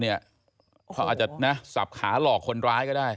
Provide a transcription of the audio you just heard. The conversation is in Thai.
เขาอาจจะสับขาหลอกคนร้ายก็ได้